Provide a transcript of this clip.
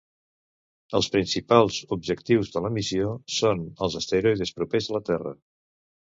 Els principals objectius de la missió són els asteroides propers a la Terra.